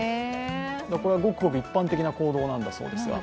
これはごくごく一般的な行動なんだそうですが。